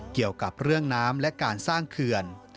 เกี่ยวกับเรื่องน้ำและการสร้างเขื่อน